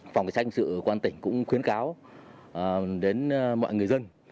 phòng cảnh sát hình sự công an tỉnh cũng khuyến cáo đến mọi người dân